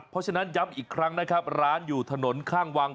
เพราะฉะนั้นย้ำอีกครั้งนะครับร้านอยู่ถนนข้างวัง